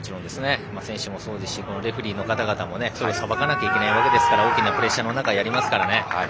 選手もそうですしレフリーの方々も、それをさばかなきゃいけないわけですから大きなプレッシャーの中やりますからね。